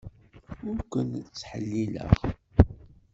Ur ken-ttḥellileɣ.